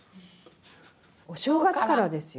お正月からですよ。